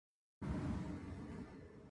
静かな部屋で本を読む時間が好きです。